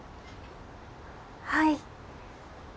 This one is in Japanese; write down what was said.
はい。